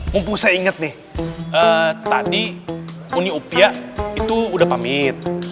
mumpung saya ingat nih tadi uni upia itu udah pamit